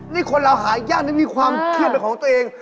นี่คนเราหายากนี่มีความเครียดเป็นของตัวเอง